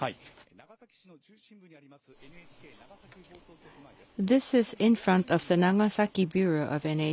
長崎市の中心部にあります、ＮＨＫ長崎放送局前です。